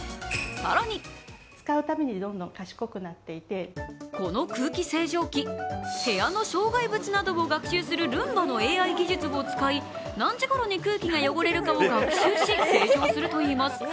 更にこの空気清浄機、部屋の障害物などを学習するルンバのＡＩ技術を使い何時ごろに空気が汚れるかを学習し清浄するといいます。